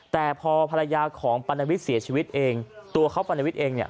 แต่พอภรรยาของปรณวิทย์เสียชีวิตเองตัวเขาปรณวิทย์เองเนี่ย